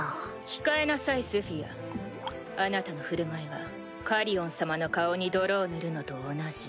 控えなさいスフィアあなたの振る舞いはカリオン様の顔に泥を塗るのと同じ。